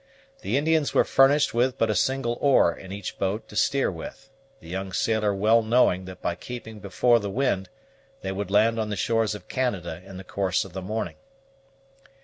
The Indians were furnished with but a single oar in each boat to steer with, the young sailor well knowing that by keeping before the wind they would land on the shores of Canada in the course of the morning.